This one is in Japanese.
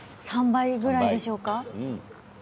３倍ぐらいでしょうか。